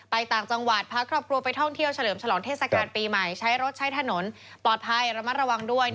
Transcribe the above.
สถานปีใหม่ใช้รถใช้ถนนปลอดภัยระมัดระวังด้วย